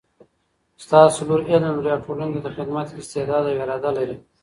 ستاسو لور علم لري او ټولني ته د خدمت استعداد او اراده لري